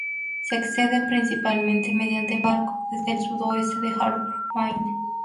Se accede principalmente mediante barco desde el sudoeste de Harbor, Maine.